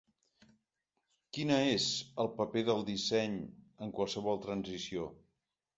Quina és el paper del disseny en qualsevol transició?